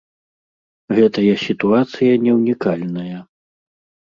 Гэтая сітуацыя не ўнікальная.